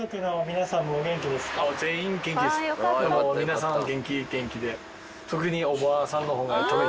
皆さん元気元気で。